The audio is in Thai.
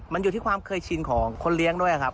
มันอยู่ที่ความเคยชินของคนเลี้ยงด้วยครับ